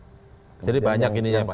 jadi banyak ini ya pak yang diikat lainnya